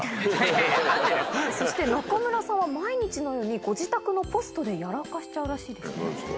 そして仲村さんは、毎日のようにご自宅のポストでやらかしちゃうらしいですね。